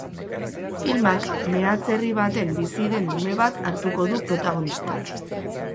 Filmak, meatz herri baten bizi den ume bat hartuko du protagonista.